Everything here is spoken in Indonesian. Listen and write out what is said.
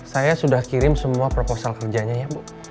saya sudah kirim semua proposal kerjanya ya bu